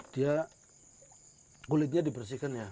dia kulitnya dibersihkan ya